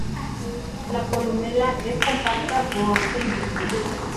La columela es compacta o ausente.